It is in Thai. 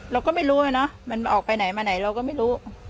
เราก็ไม่รู้นะมันออกไปไหนมาไหนเราก็ไม่รู้